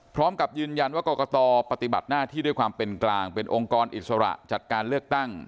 พร้อมกับยืนยันว่ากรกตปฏิบัติหน้าที่ด้วยความเป็นกลางเป็นองค์กรอิสระจัดการเลือกตั้ง